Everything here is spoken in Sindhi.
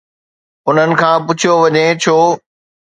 انهن کان پڇيو وڃي، ڇو؟